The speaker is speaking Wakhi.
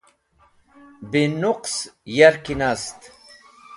Bi nuqs yarki nast.